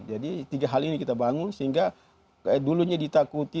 jadi tiga hal ini kita bangun sehingga dulunya ditakuti